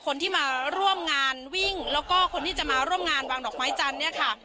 คนที่มาร่วมงานวิ่งแล้วก็คนที่จะมาร่วมงานวางดอกไม้จันทร์เนี่ยค่ะ